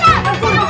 jangan pak pak jangan